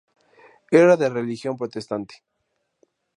Era de religión Protestante.